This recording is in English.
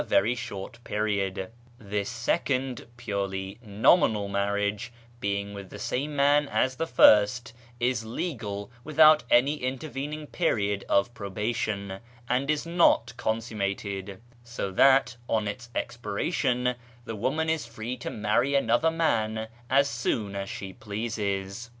KIRMAN SOCIETY 463 short period ; this second (purely nominal) marriage, being with the same man as the first, is legal without any interven ing period of probation, and is not consummated ; so that, on its expiration, the woman is free to marry another man as soon as she pleases.